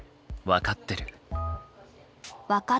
分かってる。